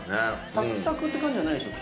サクサクって感じじゃないでしょ。